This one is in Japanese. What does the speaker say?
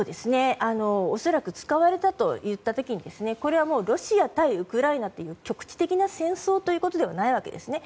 恐らく使われたと言った時にこれはロシア対ウクライナという局地的な戦争ではないんですね。